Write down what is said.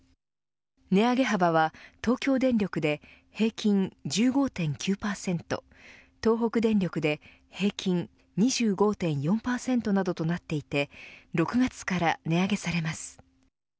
値上げ幅は東京電力で平均１５．９％東北電力で平均２５．４％などとなっていて６月から値上げされます。